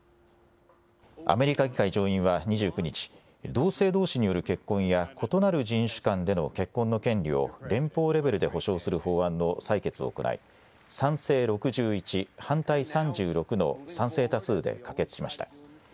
アメリカ議会上院は２９日、同性どうしによる結婚や、異なる人種間での結婚の権利を連邦レベルで保障する法案の採決を行い、賛成６１、反対３６の賛成多数で可決しました。